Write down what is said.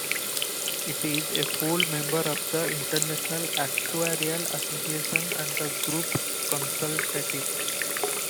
It is a full member of the International Actuarial Association and the Groupe Consultatif.